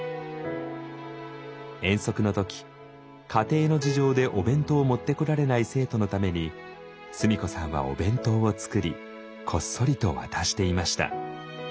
遠足の時家庭の事情でお弁当を持ってこられない生徒のために須美子さんはお弁当を作りこっそりと渡していました。